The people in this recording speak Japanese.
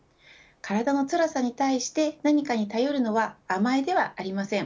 体の辛さに対して何かに頼るのは甘えではありません。